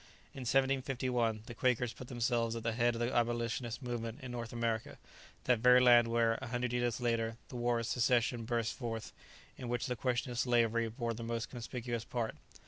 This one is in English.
In 1751, the Quakers put themselves at the head of the abolitionist movement in North America, that very land where, a hundred years later, the war of secession burst forth, in which the question of slavery bore the most conspicuous part.